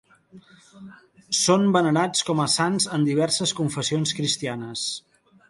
Són venerats com a sants en diverses confessions cristianes.